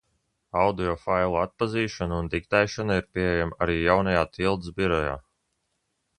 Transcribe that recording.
Audiofailu atpazīšana un diktēšana ir pieejama arī jaunajā Tildes Birojā.